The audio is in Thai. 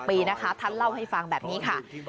ปีนะคะท่านเล่าให้ฟังแบบนี้ค่ะ